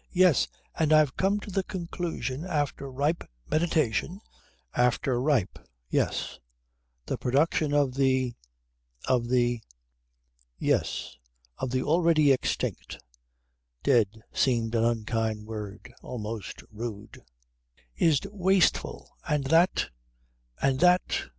"Yes, and I've come to the conclusion after ripe meditation after ripe yes the production of the of the yes, of the already extinct" (dead seemed an unkind word, almost rude) "is wasteful, and that and that